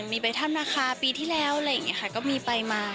มีไปท่านมนาคาร์ปีที่แล้วก็มีไปมา